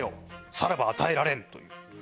さらば与えられん」という。